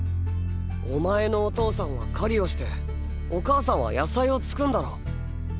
お前のお父さんは狩りをしてお母さんは野菜を作んだろ。